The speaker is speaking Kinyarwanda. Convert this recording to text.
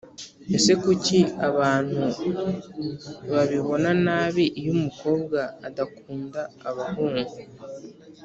Ese kuki abantu babibona nabi iyo umukobwa adakunda abahungu